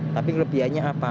tapi kelebihannya apa